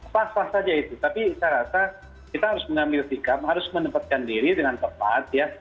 pas pas saja itu tapi saya rasa kita harus mengambil sikap harus menempatkan diri dengan tepat ya